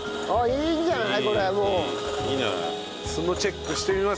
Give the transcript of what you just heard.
いいんじゃない？